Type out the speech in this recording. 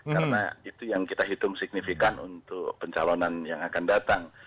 karena itu yang kita hitung signifikan untuk pencalonan yang akan datang